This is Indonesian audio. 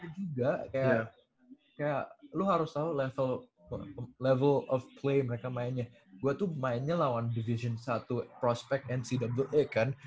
gua juga kayak lu harus tau level of play mereka mainnya gua tuh mainnya lawan division satu prospect ncaa kan